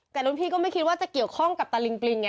แต่รุ่นพี่ก็ไม่คิดว่าจะเกี่ยวข้องกับตะลิงปลิง